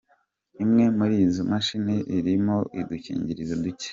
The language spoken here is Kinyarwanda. Imwe muri izo mashini irimo udukingirizo duke.